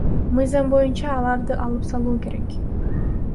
Мыйзам боюнча аларды алып салуу керек.